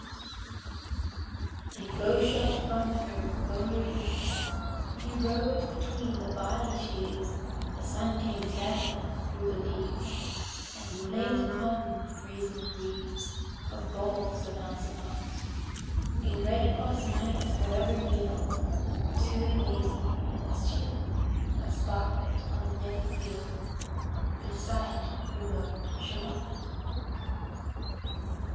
PART III A bow shot from her bower eaves, He rode between the barley sheaves, The sun came dazzling thro' the leaves, And flamed upon the brazen greaves Of bold Sir Lancelot.[Pg 70] A red cross knight forever kneel'd To a lady in his shield, That sparkled on the yellow field, Beside remote Shalott.